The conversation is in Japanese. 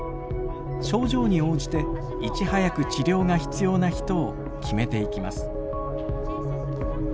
症状に応じていち早く治療が必要な人を決めていきます。